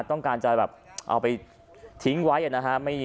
ต้องการจะเอาไปทิ้งไว้